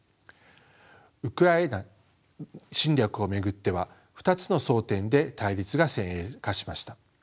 ウクライナ侵略を巡っては２つの争点で対立が先鋭化しました。